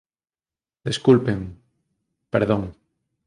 Desculpen. Perdón.